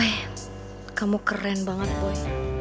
boy kamu keren banget boy